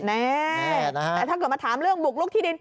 แม่แต่ถ้าเกิดมาถามเรื่องบุกลุกที่ดิน